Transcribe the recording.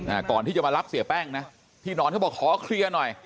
อ่าก่อนที่จะมารับเสียแป้งนะพี่หนอนเขาบอกขอเคลียร์หน่อย